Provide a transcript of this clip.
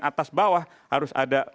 atas bawah harus ada